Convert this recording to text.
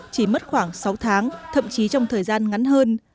chỉ mất khoảng sáu tháng thậm chí trong thời gian ngắn hơn